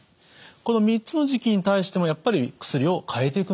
この３つの時期に対してもやっぱり薬をかえていくんですね。